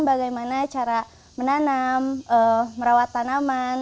bagaimana cara menanam merawat tanaman